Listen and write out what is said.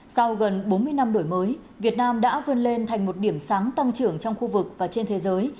sau gần bốn mươi năm đổi mới việt nam đã vươn lên thành một điểm sáng tăng trưởng trong khu vực và trên thế giới